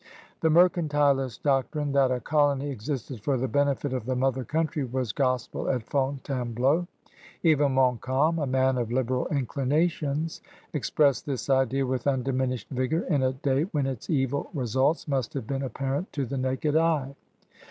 The mercantilist doctrine that a colony existed for the benefit of the mother country was gospel at Fontainebleau. Even Montcalm, a man of liberal inclinations, expressed this idea with undiminished vigor in a day when its evil results must have been apparent to the naked eye.